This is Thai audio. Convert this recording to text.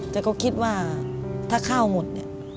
แต่ก็คิดว่าถ้าข้าวหมดเนี่ย